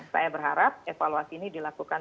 saya berharap evaluasi ini dilakukan